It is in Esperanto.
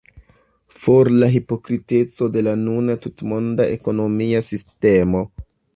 For la hipokriteco de la nuna tutmonda ekonomia sistemo!